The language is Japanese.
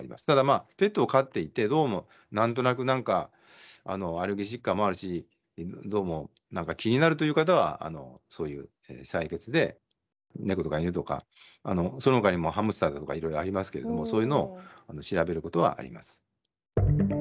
ただまあペットを飼っていてどうも何となくなんかアレルギー疾患もあるしどうも気になるという方はそういう採血で猫とか犬とかそのほかにもハムスターとかいろいろありますけれどもそういうのを調べることはあります。